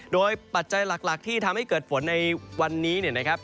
โดยปัจจัยหลักที่ทำให้เกิดฝนในวันนี้เนี่ยนะครับ